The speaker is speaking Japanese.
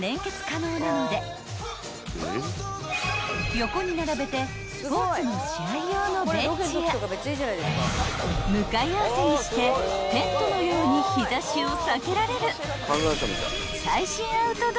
［横に並べてスポーツの試合用のベンチや向かい合わせにしてテントのように日差しを避けられる］